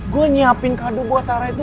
gue nyiapin kado buat arda itu